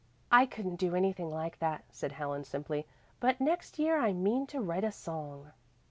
"I couldn't do anything like that," said Helen simply, "but next year I mean to write a song."